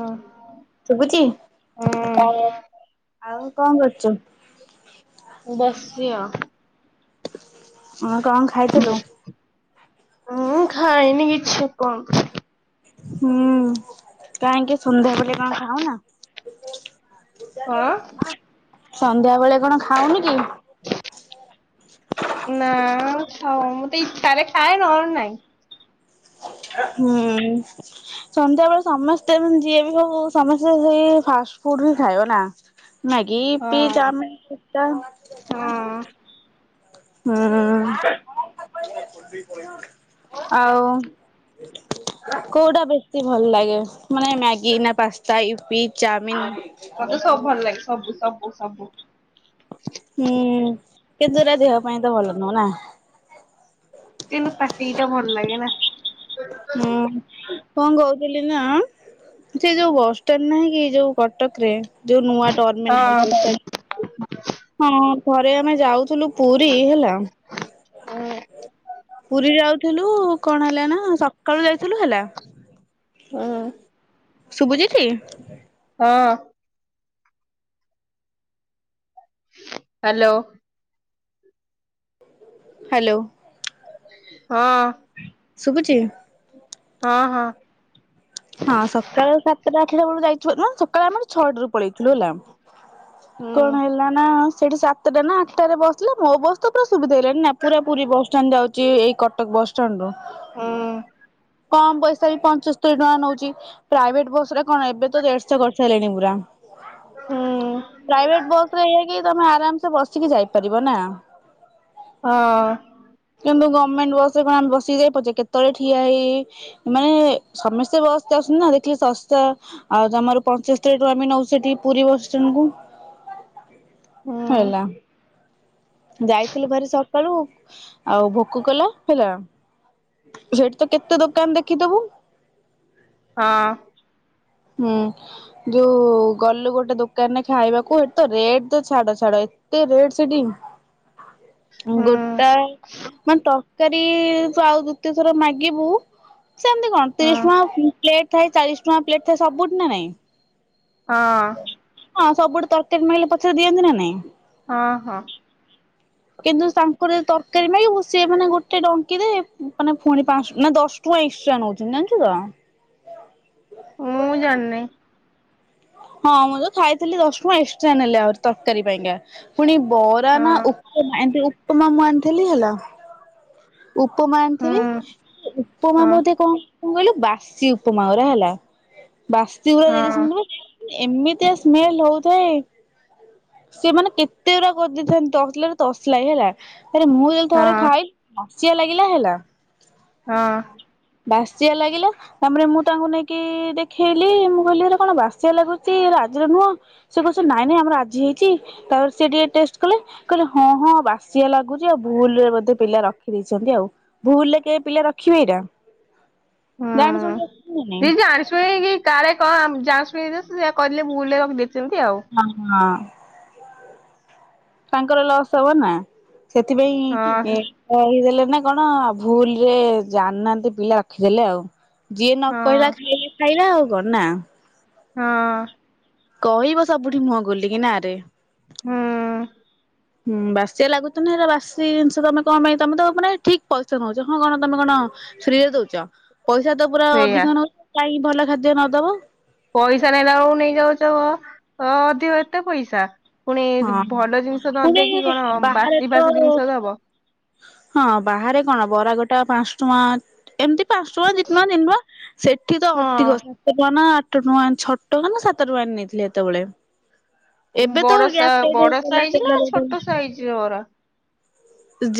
ହଁ। ଶୁଭୁଛି [unintelligible] ଆଉ କଣ କରୁଛୁ? ମୁଁ ବସିଛି ଆଉ। ଆଉ କଣ ଖାଇଥିଲୁ? ମୁଁ ଖାଇନି କିଛି ଏପନ୍ତ। ହୁଁ କାହିଁକି ସନ୍ଧ୍ୟା ବେଳେ କଣ ଖଉନା? ଅଁ? ସନ୍ଧ୍ୟାବେଳେ କଣ ଖାଉନି କି? ନା ଅ ମତେ ଇଚ୍ଛା ହେଲେ ଖାଏ ନହେଲେ ନାଇଁ। ହୁଁ। ସନ୍ଧ୍ୟାବେଳେ ସମସ୍ତେ ମାନେ ଯିଏ ବି ହଉ ସମସ୍ତେ ସେଇ ଫାଷ୍ଟ ଫୁଡ ହି ଖାଇବ ନା? ମ୍ୟାଗି ଇପି ହଁ ଚାଓମିନ ପିସ୍ତା। ହଁ ହୁଁ। ଆଉ କୋଉଟା ବେ ସି ଭଲ ଲାଗେ ମାନେ ମ୍ୟାଗି ନା ପାସ୍ତା ୟୁପି? ମତେ ସବୁ ଭଲ ଲାଗେ ସବୁ ସବୁ ସବୁ। ହୁଁ କିନ୍ତୁ ହେରା ଦେହ ପାଇଁ ତ ଭଲ ନୁହଁ ନା? କିନ୍ତୁ ପାଟିକି ତ ଭଲ ଲାଗେ ନା? ହୁଁ କଣ କହୁଥିଲି ନା ସେ ଯୋଉ ବସଷ୍ଟାଣ୍ଡ ନାହିଁ କି ଯୋଉ କଟକ ରେ ଯୋଉ ନୂଆ ଟର୍ମିନାଲ ହଁ କୁତ ହଁ ଥରେ ଆମେ ଯାଉଥିଲୁ ପୁରୀ ହେଲା ହୁଁ। ପୁରୀ ଯାଉଥିଲୁ କଣ ହେଲା ନା ସକାଳୁ ଯାଇଥିଲୁ ହେଲା। ହଁ। ଶୁଭୁଚି ଟି? ହଁ। ହାଲୋ। ହାଲୋ। ହଁ। ଶୁଭୁଛି? ହଁ ହଁ। ହଁ ସକାଳେ ସାତଟା ଆଠଟା ବେଳକୁ ଯାଇଛୁ ଆମେ। ସକାଳେ ଆମେ ଛଅଟା ରୁ ପଳେଇଥିଲୁ ହେଲା ହୁଁ କଣ ହେଲା ନା ସେଠି ସା ସାତ ଟା ନା ଆଠଟାରେ ବସିଲେ ମୋ ବସ୍ ତ ପୁରା ସୁବିଧା ହେଇଗଲାଣି ନା ପୁରା ପୁରୀ ବସ ଷ୍ଟାଣ୍ଡ ଯାଉଛି ଏଇ କଟକ ବସ ଷ୍ଟାଣ୍ଡ ରୁ ହୁଁ କମ ପଇସା ବି ପଞ୍ଚସ୍ତରୀ ଟଙ୍କା ନଉ ଛି ପ୍ରାଇଭେଟ ବସଗୁରା କଣ ଏବେ ତ ଦେଢଶହ କରି ସାରିହେଲେଣି ପୁରା। ହୁଁ ପ୍ରାଇଭେଟ ବସରେ ଏଇଆ କି ତମେ ଆରାମସେ ବସିକି ଯାଇପାରିବ ନା। ହଁ। କିନ୍ତୁ ଗଭର୍ଣ୍ଣମେଣ୍ଟ ବସ ରେ କଣ ବସିକି ଯାଇ ପାରୁଛେ କେତେବେଳେ ଠିଆ ହେଇ ହେଇ ମାନେ ସମସ୍ତେ ବ ତା ଅଛନ୍ତି ନା ଦେଖିଲେ ଶସ୍ତା ଆଉ ତମର ପଚସ୍ତୁରୀ ଟଙ୍କା ବି ନେଉଚି ସେଠି ପୁରୀ ବସଷ୍ଟାଣ୍ଡ କୁ। ହୁଁ ହେଲା। ଯାଇଥିଲୁ ଭାରି ସକାଳୁ ଆଉ ଭୋକ କଲା ହେଲା। ସେଠି ତ କେତେ ଦୋକାନ ଦେଖିଥବୁ। ହଁ। ହୁଁ ଯୋଉ ଗଲୁ ଗୋଟେ ଦୋକାନରେ ଖାଇବାକୁ ଏଠି ତ ରେଟ ତ ଛାଡ ଛାଡ ଏ ଏତେ ରେଟ୍ ସେଟି ହୁଁ ଗୋଟା ମାନେ ଟ ତରକାରୀ ତ ଆଉ ଦୁତୀୟ ଥର ମାଗିବୁ ସେମିତି କଣ ହଁ ତିରିଶ ଟଙ୍କା ପ୍ଲେଟ ଥାଏ ଚାଳିଶ ଟଙ୍କା ପ୍ଲେଟ ଥାଏ ସବୁଟି ନା ନାଇଁ? ହଁ। ହଁ ସବୁଠି ତରକାରୀ ମାଗିଲେ ପଛରେ ଦିଅନ୍ତି ନା ନାଇଁ? ହଁ ହଁ। କିନ୍ତୁ ତାଙ୍କର ତରକାରୀ ନାଇ ସେ ମାନେ ଗୋଟେ ଡଙ୍କି ଦେବେ ମାନେ ଫୁଣି ପାଞ୍ଚ ନା ଦଶ ତୁ ଏକ୍ସ୍ରା ନଉଚନ୍ତି ଜାନଚୁ ତ। ମୁଁ ଜାନନି। ହଁ ମୁଁ ତ ଖାଇଥିଲି ଦଶ ଟଙ୍କା ଏକ୍ସଟ୍ରା ନେଲେ ଆହୁରି ତରକାରୀ ପାଇଁ କା ଫୁଣି ବରା ହଁ ନା ଉ [unintelligible] ଏମିତି ଉପମା ମୁଁ ଆଣିଥିଲି ହେଲା। ଉପମା ଆଣିଥିବି ହୁଁ ଉପମା ହଁ ବୋଧେ କଁ ମୁ କହିଲି ବାସି ଉପମାଉରା ହେଲା ବାସି ପୁରା ଦେଇ ହଁ ଦେଇଛନ୍ତି। ଏମିତିଆ ସ୍ମେଲ ହଉଥାଏ। ସେମାନେ କେତେ ଗୁଡା କରିଦେଇଥାନ୍ତି ତସଲାରେ ତସଲାଏ ହେଲା। ଆରେ ମୁଁ ଯାଇକି ଥରେ ହଁ ଖାଇଲି ନସିଆ ଲାଗିଲା ହେଲା। ହଁ। ବାସିଆ ଲାଗିଲା। ତାପରେ ମୁଁ ତାଙ୍କୁ ନେଇକି ଦେଖେଇଲି, ମୁଁ କହିଲି ଏରା କଣ ବାସିଆ ଲାଗୁଚି ଆଜିର ନୁହଁ? ସେ କହୁଛି ନାଇଁ ନାଇଁ ଆମର ଆଜି ହେଇଛି। ତାପରେ ସିଏ ଟିକେ ଟେଷ୍ଟ କଲେ, କହିଲେ ହଁ ହଁ ବାସିଆ ଲାଗୁଛି ଆଉ ଭୁଲରେ ବୋଧେ ପିଲା ର ରଖି ଦେଇେଇଛନ୍ତି ଆଉ, ଭୁଲରେ କିଏ ପିଲା ରଖିବେ ଏଇଟା। ହୁଁ, ଜାଣି ଶୁଣି ରଖିଛନ୍ତି ନା ନାଇଁ ସେ ଜାଣି ଶୁଣିକି କାଲେ କଣ ଆ ଜା ଶୁଣି ସେଇଆ କହିଦେଲେ ମୁଁ ଭୁଲରେ ରଖିଦେଇଥିଲି ଆଉ। ହଁ ହଁ। ତାଙ୍କର ଲସ୍ ହବ ନା, ସେଥିପାଇଁ ଇ ହଁ କହିଦେଲେ ନା କଣ ଭୁଲ ରେ ଜାଣିନାହାନ୍ତି ପିଲା ରଖିଦେଲେ ଆଉ। ଯିଏ ନ ହଁ କହିଲା ଖାଇଲା ଖାଇଲା ଆଉ କଣ ନାଁ। ହଁ। କହିବ ସବୁଠି ମୁହଁ ଖୋଲିକି ନାରେ। ହୁଁ। ହୁଁ ବାସିଆ ଲାଗୁତୁନି ଏରା ବାସି ଜିନିଷ ତମେ କଣ ପାଇଁ ତମେ ତ ମାନେ ଠିକ ପଇସା ନଉଛ ହଁ କଣ ତମେ କଣ ଫ୍ରି ରେ ଦଉଛ ପଇସା ତ ପୁରା ସେଇଆ ଅଧିକ ନଉଛ କାହିଁ ଭଲ ଖାଦ୍ୟ ନ ଦବ। ପଇସା ନେଲା ବେଳକୁ ନେଇଯାଉଛ ଅ ଅ ଅଧିକ ଏତେ ପଇସା। ପୁଣି ହଁ। ଭଲ ଜିନିଷ ପୁଣି ନଦେଇକି କଣ ବାହାରେ ତ ବାସି ଫାସି ଜିନିଷ ଦବ। ହଁ ବାହାରେ କଣ, ବରା ଗୋଟାକ ପାଞ୍ଚ ଟଙ୍କା। ଏମିତି ପାଞ୍ଚ ଟଙ୍କା, ଦି ଟଙ୍କା, ତିନଟଙ୍କା ସେଠି ତ ହଁ ଅଧିକ। ସାତ ଟଙ୍କା ନାଁ ଆଠ ଟଙ୍କା, ଛଅ ଟଙ୍କା ନା ସାତ ଟଙ୍କା ଏ ନେଇଥିଲେ ସେତେବେଳେ। ଏବେ ତ ବଡସା ଗ୍ୟାସ ରେଟ୍ ବଡ ହେଇଗଲା ସାଇଜ ତେଲ ନାଁ ଛୋଟ ରେଟ୍ ସାଇଜର ବରା।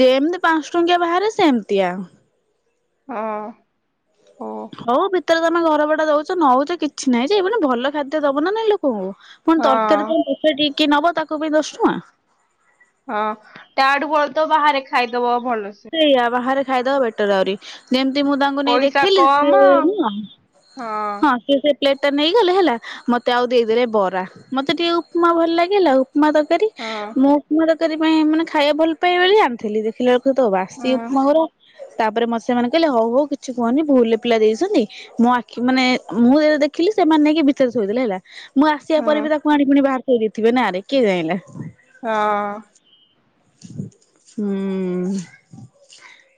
ଯେମତି ପାଞ୍ଚ ଟଙ୍କିଆ ବାହାରେ ସେମିତି ଆ। ହଁ ଅ। ହଉ ଭିତରେ ତମେ ଘର ବଡା ଦଉଛ, ନ ହଉଛ କିଛି ନାହିଁ ଯେ ମାନ ଭଲ ଖାଦ୍ୟ ଦବ ନା ନାଇଁ ଲୋକଙ୍କୁ। ପୁଣି ତରକାରୀ ହଁ ତ ବସ ଟିକେ ନବ ତାକୁ ବି ଦଶ ଟଙ୍କା। ହଁ ତାଡୁ ଭଲ ତ ବାହାରେ ଖାଇଦବ ଭଲସେ। ସେଇଆ ବାହାରେ ଖାଇଦବା ବେଟର ଆହୁରି। ଯେମିତି ମୁଁ ତାଙ୍କୁ ନେଇ ପଇସା ଦେଖେଇଲି ସେ କମ ନୁହଁ, ହଁ ସେ ପ୍ଲେଟ୍ ଟା ନେଇଗଲେ ହେଲା ମତେ ଆଉ ଦେଇଦେଲେ ବରା ମତେ ଟିକେ ଉପମା ଭଲ ଲାଗିଲା ଆଉ। ଉପମା ତରକାରୀ ହଁ ମୁଁ ଉପମା ତରକାରୀ ପାଇଁ ମାନେ ଖାଇବା ଭଲ ପାଏ ବୋଲି ଆଣିଥିଲି ଦେଖିଲା ବେଳକୁ ତୁ ତ ବାସି ହଁ ଉପମା ଘର ତାପରେ ମ ସେମାନେ କହିଲେ ହଉ ହଉ କିଛି କୁହନି ଭୁଲ ରେ ପିଲା ଦେଇଛନ୍ତି। ମୋ ଆଖି ମାନେ ମୁଁ ଯେ ଦେଖିଲି ସେମାନେ ନେଇକି ଭିତରେ ଥୋଇଦେଲେ ହେଲା। ମୁଁ ଆସିବା ପରେ ହଁ ବି ତାକୁ ଆଣି ପୁଣି ବାହାର ଥୋଇଦେଇଥିବେ ନାରେ କିଏ ଜାଣିଲା। ହଁ। ହୁଁ।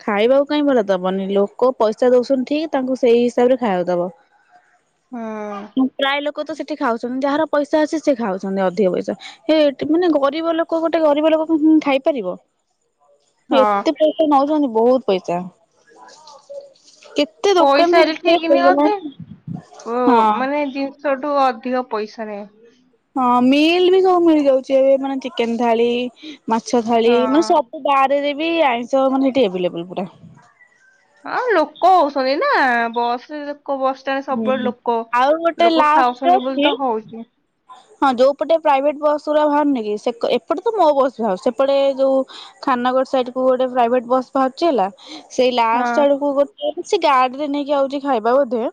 ଖାଇବାକୁ କାଇଁ ଭଲ ଦବନି ଲୋକ ପଇସା ଦଉଛନ୍ତି ଠିକ ତାଙ୍କୁ ସେଇ ହିସାବ ରେ ଖାଇବାକୁ ଦବ। [unintelligible] ହଁ। ପ୍ରାୟ ଲୋକ ତ ସେଠି ଖାଉଛନ୍ତି, ଯାହାର ପଇସା ଅଛି ସେ ଖାଉଛନ୍ତି ଅଧିକ ପଇସା। ସେ ଏଠି ମାନେ ଗରିବ ଲୋକ ଗୋଟେ ଗରିବ ଲୋକ କଣ ଖାଇପାରିବ ହଁ ଏତେ ପଇ ନଉଛନ୍ତି ବହୁତ ପଇସା, କେ ତେ ଦୋକାନ ତା ପଇସାରେ ଭିତରେ ଠିକ ନିଅନ୍ତେ ହେଇଗଲାଣି, ହଁ। ସୋଠୁ ଅଧିକ ପଇସା ରେ ହଁ ମିଲ୍ ବି ସବୁ ମିଳିଯାଉଛି, ଏବେ ମାନେ ଚିକେନ ଥାଳି, ମାଛ ଥାଳି ମାନେ ହଁ ସବୁ ବାଆରେ ଦେବି ଆଇଁଷ ମାନେ ସେଠି ଆଭେଲେବୁଲ୍ ପୁରା। ହଁ ଲୋକ ହଉଛନ୍ତି ନା ବସରେ ଲୋକ ବସ ଜ ହୁଁ। ସବୁବେଳେ ଲୋକ ଆଉ ଗୋଟେ ଲୋକ ଲାଷ୍ଟ ଖାଉଛନ୍ତି ବୋଲି ଅଛି ତ ହଉଛି। ହଁ, ଯୋଉପଟେ ପ୍ରାଇଭେଟ ବସ ପୁରା ବାହାରୁନ କି ଏପଟେ ତ ମୋ ବସ ବା ସେପଟେ ଯୋଉ ଖାନନଗର ସାଇଡକୁ ଗୋଟେ ପ୍ରାଇଭେଟ ବସ୍। ବାଚି ହେଲା ସେଇ ଲାଷ୍ଟ ହଁ ଆଡକୁ ଗୋଟେ ଗାଡିରେ ନେଇକି ଆଉଛି ଖାଇବା ବୋଧେ।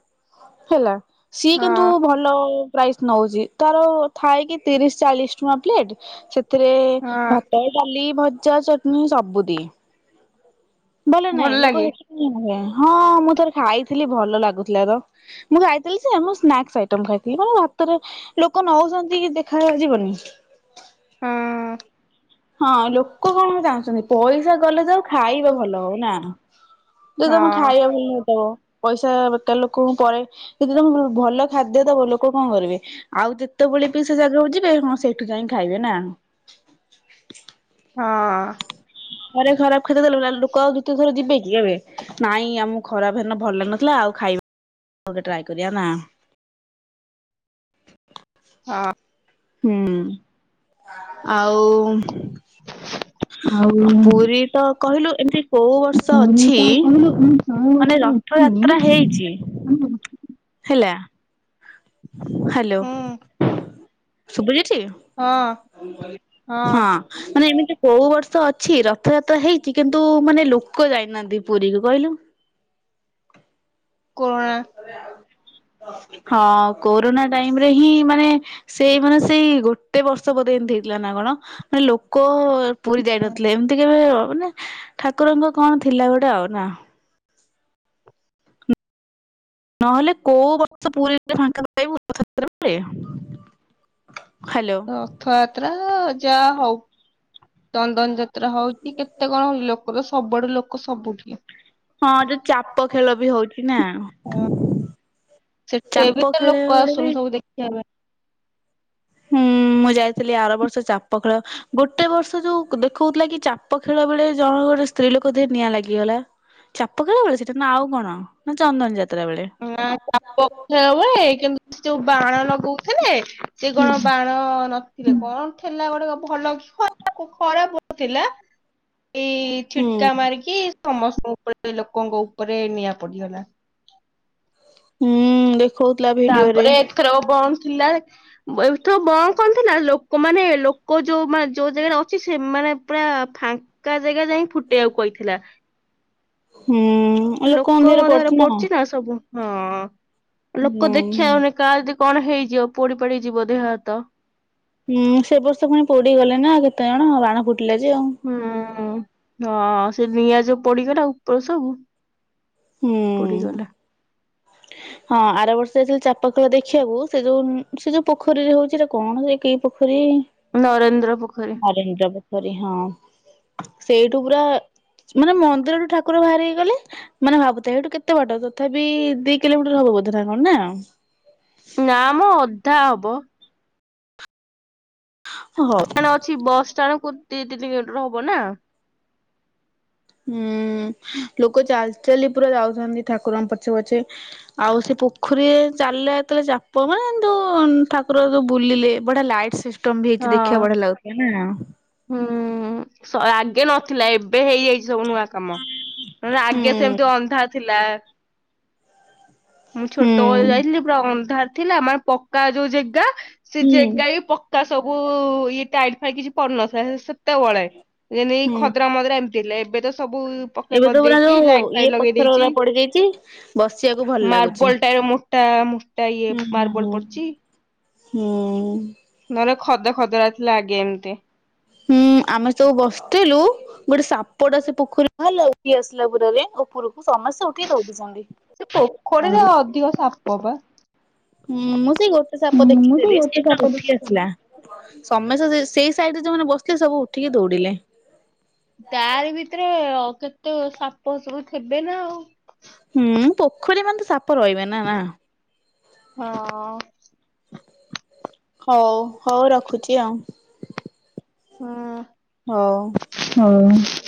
ହେଲା ସିଏ କିନ୍ତୁ ହଁ ଭଲ ପ୍ରାଇସ୍ ନଉଛି ତାର ଥାଇକି ତିରିଶ ଚାଳିଶ ଟଙ୍କା ପ୍ଲେଟ ସେଥିରେ ହଁ ଭାତ ଡାଲି, ଭଜା, ଚଟଣି, ସବୁ ଦିଏ। ଭଲ ନାଇଁ ଲୋକ ହେ ହଁ ମୁଁ ଥରେ ଖାଇଥିଲି ଭଲ ଲାଗୁଥିଲା ତ। ମୁଁ ଯାଇଥିଲି ସ ମୁଁ ସ୍ନାକ୍ସ ଆଇଟମ ଖାଇଥିଲି ମାନ ଭାତରେ ଲୋକ ନଉଛନ୍ତି କି ଦେଖାଯିବନି। ହଁ ହଁ ଲୋକ କଣ ଚାହୁଁଛନ୍ତି ପଇସା ଗଲେ ଯାଉ ଖାଇବା ଭଲ ହଉ ନା ଯଦି ହଁ ତମେ ଖାଇବା ଭଲ ହେଇଥିବ ପଇସା ବେକାର ଲୋକଙ୍କୁ ପରେ ଯଦି ତମେ ଭଲ ଖାଦ୍ୟ। ଦେଇଦବ ଲୋକ କଣ କରିବେ ଆଉ ଯେତେବେଳେ ବି ସେ ଜାଗାକୁ ଯିବେ କଣ ସେଇଠୁ ଯାଇି ଖାଇବେ ନା। ହଁ। ହୁଁ। ଥରେ ଖରାପ ଖାଦ୍ୟ ଦେଲେ ଲୋକ ଆଉ ଦିତିୟ ଥର ଯିବେ କି କେବେ ନାଇଁ ଆମକୁ ଖରାପ ହେ ଭଲ ଲାଗୁନଥିଲା ଆଉ ଖାଇବ। ଗୋଟେ ଟ୍ରାଇ କରିବା ନା। ହଁ। ହୁଁ ଆଉ ଆ ଆଉ ପୁରୀ ତ କହିଲୁ ଏମତି କୋଉ ବର୍ଷ ପୁରୀ ଅଛି ତ କହିଲୁ ମୁଁ ଶହେ ବର୍ଷ ମାନେ ର ଉଠିନି ରଥଯାତ୍ରା ହେଇଛି ହେଲା। ହେଲା ହାଲୋ ହୁଁ ଶୁଭୁଚିଟି। ହଁ ହଁ। ମାନେ ଏମିତି କୋଉ ବର୍ଷ ଅଛି ରଥଯାତ୍ରା ହେଇଛି କିନ୍ତୁ ମାନେ ଲୋକ ଯାଇନାହାନ୍ତି ପୁରୀକୁ କହିଲୁ? କୋରୋଣା ହଁ କୋରୋନା ଟାଇମରେ ହିଁ ମାନେ ସେଇ ମାନେ ସେଇ ଗୋଟେ ବର୍ଷ ବଧେ ଏମିତି ହେଇଥିଲା ନା କଣ? ମାନେ ଲୋକ ପୁରୀ ଯାଇନଥିଲେ ଏମିତି କେବେ ମାନେ ଠାକୁରଙ୍କ କଣ ଥିଲା ଗୋଟେ ଆଉ ନା ନହେଲେ କୋଉ ବର୍ଷ ପୁରୀରେ ଫାଙ୍କା ପାଇବୁତ ପୁରୀରେ। ରଥଯାତ୍ରା ଯାହା ହଉ ଚନ୍ଦନ ଯାତ ଯାତ୍ରା ହଉଛି କେତେ କଣ ହଉ ଲୋକର ସବୁଆଡୁ ଲୋକ ସବୁଠି। ହଁ, ଯୋଉ ଚାପ ଖେଳବି ହଉଛି ନା। ହଁ ସେଠି ବି ଚାପ ତ ଲୋକ ଖେଳିବା ବେଳେ ବି ଆସୁଛନ୍ତି [inaudible] ହୁଁ, ମୁଁ ଯାଇଥିଲି ଆର ବର୍ଷ ଚାପ ଖେଳ ଗୋଟେ ବର୍ଷ ଯୋଉ ଦେଖଉଥିଲା କି ଚାପ ଖେଳ ବେଳେ ଜଣ ଗୋଟେ ସ୍ତ୍ରୀ ଲୋକ ଦିହରେ ନିଆଁ ଲାଗିଗଲା। ଚାପ ଖେଳବେଳେ ସେଇଟା ନା ଆଉ କଣ ନା ଚନ୍ଦନ ଯାତ୍ରା ବେଳେ। ନା ଚାପଖେଳ ବେଳେ କିନ୍ତୁ ଯୋଉ ବାଣ ଲଗଉଥିଲେ ସେ କଣ ବାଣ ହ ନଥିଲେ କଣ ଥିଲା ଗୋଟେ ଭଲ କି ଖରାପ ଖରାପ ଥିଲା କି ହୁଁ। ଛିଟକା ମାରିକି କି ସମସ୍ତଙ୍କ ଉପରେ ଲୋକଙ୍କ ଉପରେ ନିଆଁ ପଡିଗଲା। ହୁଁ ଦେଖ ତାପରେ ଏଥରକ କଣ ଥିଲା ଏଥ ବଣ କଣ ଥିଲା ଲୋକ। ମାନେ ଲୋକ ଯୋଉ ମାନେ ଯୋଉ ଜାଗାରେ ଅଛି ସେମାନେ ପୁରା ଫା କା ଯେଗା ଯାଇ ଫୁଟେଇବାକୁ କହିଥିଲା ହୁଁ ଲୋକଙ୍କ ଦେହରେ ପଡୁଛିନା କଣ? ସବୁ ହଁ ଲୋକ ହୁଁ ଦେଖିବାନି କା ଦେ କଣ ହେଇଯିବ ପୋଡି ପାଡି ଯିବ ଦେହ ହାତ ହୁଁ ସେ ବର୍ଷ ପୁଣି ପୋଡିଗଲେ ନା କେତେଜଣ ବାଣ ଫୁଟିଲା ଯେ ଆଉ ହୁଁ ହଁ ସେ ନିଆଁ ଯୋଉ ପୋଡ଼ିଗଲା ଉପର ସବୁ ହୁଁ। ପୋଡିଗଲା। [inaudible] ହଁ ଆର ବର୍ଷ ଯାଇଥିଲ ଚାପ ଖେଳ ଦେଖିବାକୁ ସେ ଯୋଉ ସେ ଯୋଉ ପୋଖରୀରେ ହଉଛି ସେଇଟା କଣ ସେ ପେଖାରି ନରେନ୍ଦ୍ର ପୋଖରୀ ନରେନ୍ଦ୍ର ପୋଖରୀ ହଁ। ସେଇଠୁ ପୁରା ମାନେ ମନ୍ଦିରଠୁ ଠାକୁର ବାହାରିକି ହେଇଗଲେ ମାନେ ଭାବୁଥା ଏଇଠୁ କେତେ ବାଟ ତଥାପି ଦି କିଲୋମିଟର ହବ ବୋଧେ ନା କଣ ନା? ନା ମ ଅଧା ହବ। ହଉ କଣ ଅଛି ବସ୍ ଟାଣ୍ଡକୁ ଦି ତିନି କିଲୋମିଟର ହବ ନା? ହୁଁ ଲୋକ ଚାଲି ଚାଲି ପୁରା ଯାଉଛନ୍ତି ଠାକୁରଙ୍କ ପଛେ ପଛେ ଆଉ ସେ ପୋଖରୀରେ ଚାଲିଲା ଯେତେବେଳେ ଚାପ ମାନେ ଯୋଉ ଠାକୁର ଯୋଉ ବୁଲିଲେ ବଢିଆ ଲାଇଟ ସିଷ୍ଟମ ହେଇଛି ହଁ। ଦେଖିବାକୁ ବଢିଆ ଲାଗୁଥିଲା ନା। ହୁଁ ଆଗେ ନଥିଲା ଏବେ ହେଇଯାଇଛି ସବୁ ନୂଆ କାମ ନ ହେଲେ ଆଗେ ହୁଁ ସେମତି ଅନ୍ଧାର ଥିଲା। ମୁଁ ହୁଁ ଛୋଟବେଳ ଯାଇଥିଲି ପୁରା ଅନ୍ଧାର ଥିଲା ମାନେ ପକ୍କା ଯୋଉ ଜେଗା ସେ ଜାଗା ହୁଁ ବି ପକ୍କା ସବୁ ଇଏ ଟାଇଲି ଫାଇଲି କିଛି ପଡିନଥାଏ ସେତେବେଳେ ଯେମତି ହୁଁ ଖଦ୍ରା ମଦ୍ରା ଏମିତି ଲେ ଏବେ ତ ସବୁ ପକ୍କା ଏବେ ତ ପୁରା କରିଦେଇକି ଯୋଉ ଲାଇଟ୍ ଫାଇଟ ଇଏ ଲଗେଇ ପଥର ଦେଇଛି ଗୁରା ପଡିଯାଇଛି ବସିବାକୁ ଭଲ ଲାଗୁଛି ମାର୍ବଲ ଟା ମୁ ମୋଟା ମୋଟା ଇଏ ମାର୍ବଲ ପଡଛି ହଁ। ମାନେ ଖଦ ଖଦରା ଥିଲା ଆଗେ ଏମିତି ହୁଁ ଆମେ ସବୁ ବସିଥିଲୁ ଗୋଟେ ସାପଟେ ଆସି ପୋଖରୀରେ ବାହାରିଲା ଉଠି ଆସିଲା ପୁରାରେ ଉପରକୁ ସମସ୍ତେ ଉଠିକି ଦଉଡିଛନ୍ତି ସେ ପୋଖରୀରେ ଅଧିକ ସାପ ପା। ହୁଁ ମୁଁ ସେଇ ଗୋଟେ ସାପ ମୁଁ ତ ଦେଖିଥିଲି ଗୋଟେ ସେ ତ ସାପ ଉଠି ଆସିଲା। ସମସ୍ତେ ସେଇ ସାଇଡରେ ଯେଉଁମାନେ ବସିଥିଲେ ସବୁ ଉଠିକି ଦୌଡିଲେ। ତାରି ଭିତରେ କେତେ ସାପ ସବୁଥିବେ ନା ଆଉ ହୁଁ ପୋଖରୀ ମାନେ ତ ସାପ ରହିବେ ନା ନା? ହଁ। ହଉ ହଉ ରଖୁଛି ଆଉ। ହଁ। ହଉ। ହଉ।